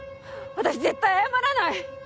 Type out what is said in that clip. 私絶対謝らない！！